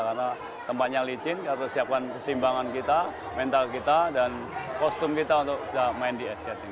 karena tempatnya licin kita harus siapkan kesimbangan kita mental kita dan kostum kita untuk main di eskating